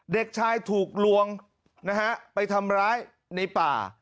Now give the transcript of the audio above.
เด็กชายถูกลวงนะฮะไปทำร้ายในป่า